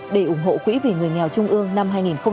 để ủng hộ quỹ vì người nghèo trung ương năm hai nghìn một mươi chín